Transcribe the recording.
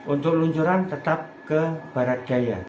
untuk luncuran tetap ke barat daya